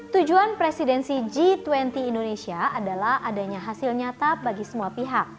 tujuan presidensi g dua puluh indonesia adalah adanya hasil nyata bagi semua pihak